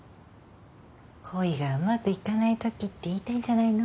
恋がうまくいかないときって言いたいんじゃないの？